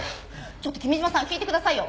ちょっと君嶋さん聞いてくださいよ。